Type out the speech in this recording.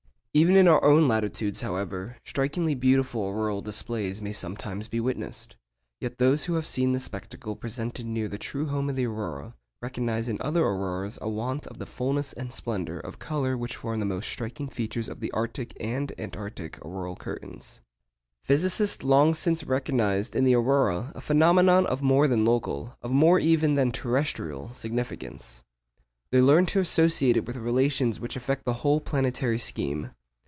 Even in our own latitudes, however, strikingly beautiful auroral displays may sometimes be witnessed. Yet those who have seen the spectacle presented near the true home of the aurora, recognise in other auroras a want of the fulness and splendour of colour which form the most striking features of the arctic and antarctic auroral curtains. Physicists long since recognised in the aurora a phenomenon of more than local, of more even than terrestrial, significance. They learned to associate it with relations which affect the whole planetary scheme.